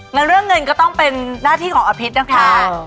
แล้วเรื่องเงินก็ต้องเป็นหน้าที่ของอภิษนะคะ